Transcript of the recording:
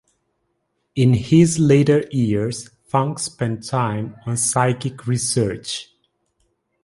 In his later years, Funk spent time on psychic research.